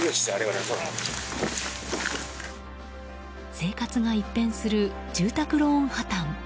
生活が一変する住宅ローン破綻。